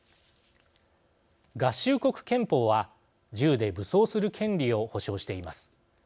合衆国憲法は銃で武装する権利を保障しています。